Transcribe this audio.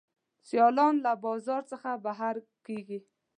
سیالان له بازار څخه بهر کیږي.